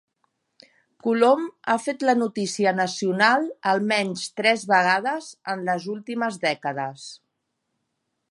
Colom ha fet la notícia Nacional almenys tres vegades en les últimes dècades.